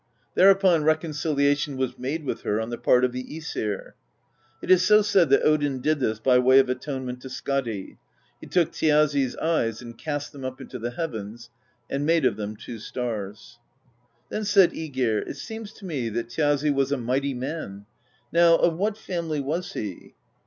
Thereupon re conciliation was made with her on the part of the iEsir. It is so said, that Odin did this by way of atonement to Skadi: he took Thjazi's eyes and cast them up into the heavens, and made of them two stars. Then said ^gir: "It seems to me that Thjazi was a mighty man: now of what family was he?"